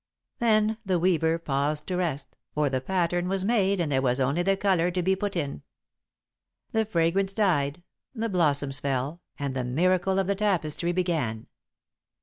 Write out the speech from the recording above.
Then the Weaver paused to rest, for the pattern was made and there was only the colour to be put in. The fragrance died, the blossoms fell, and the miracle of the tapestry began.